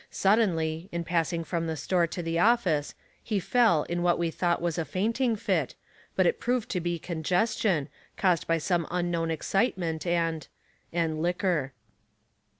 Suddenly, in passing from the store to the office, he fell in what we thought was a fainting fit, but it proved to be congestion, caused by some unknown excitement and — and liquor."